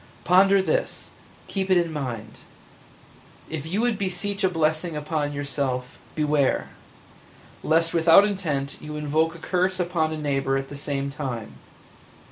Ponder this – keep it in mind. If you would beseech a blessing upon yourself, beware! lest without intent you invoke a curse upon a neighbor at the same time.